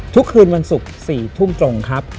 คืนวันศุกร์๔ทุ่มตรงครับ